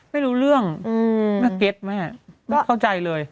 ไม่รู้เรื่องแม่เก็ตแม่ไม่เข้าใจเลย